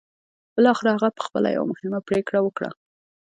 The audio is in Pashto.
بالاخره هغه پخپله یوه مهمه پرېکړه وکړه